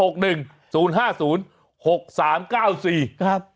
ครับ